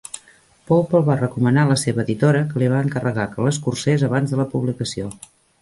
Pope el va recomanar a la seva editora, que li va encarregar que l'escurcés abans de la publicació.